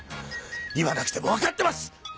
言わなくても分かってます！